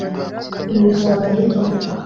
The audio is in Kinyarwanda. Ibi bisobanura iki